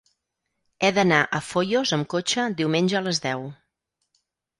He d'anar a Foios amb cotxe diumenge a les deu.